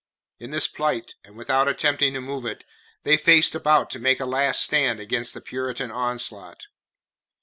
In this plight, and without attempting to move it, they faced about to make a last stand against the Puritan onslaught.